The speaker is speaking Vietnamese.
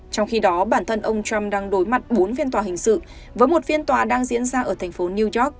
trong khi đó bản thân ông trump đang đối mặt bốn phiên tòa hình sự với một phiên tòa đang diễn ra ở thành phố new york